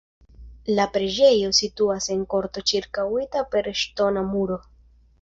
La preĝejo situas en korto ĉirkaŭita per ŝtona muro.